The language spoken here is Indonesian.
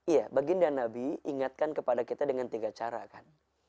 iya baginda nabi ingatkan kepada kita dengan tiga cara kan